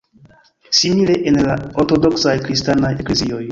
Simile en la ortodoksaj kristanaj eklezioj.